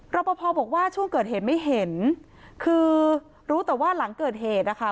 รอปภบอกว่าช่วงเกิดเหตุไม่เห็นคือรู้แต่ว่าหลังเกิดเหตุนะคะ